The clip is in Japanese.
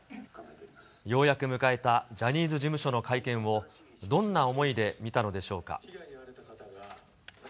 ようやく迎えたジャニーズ事務所の会見を、どんな思いで見たのでしょうか。